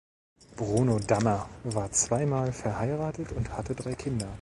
Bruno Dammer war zweimal verheiratet und hatte drei Kinder.